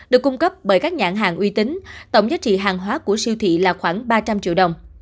được cung cấp bởi các nhãn hàng uy tín tổng giá trị hàng hóa của siêu thị là khoảng ba trăm linh triệu đồng